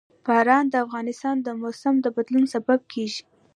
باران د افغانستان د موسم د بدلون سبب کېږي.